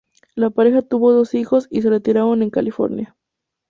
La pareja tuvo dos hijos y se retiraron en California.